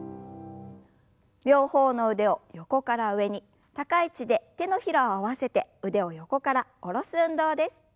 両方の腕を横から上に高い位置で手のひらを合わせて腕を横から下ろす運動です。